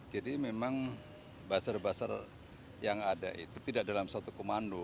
jadi memang buzzer buzzer yang ada itu tidak dalam suatu komando